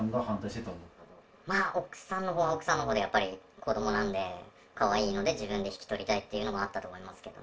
まあ、奥さんのほうは奥さんのほうで、やっぱり子どもなので、かわいいので自分で引き取りたいっていうのもあったと思いますけど。